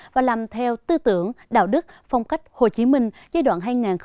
và làm theo tư tưởng đạo đức phong cách hồ chí minh giai đoạn hai nghìn hai mươi một hai nghìn hai mươi bốn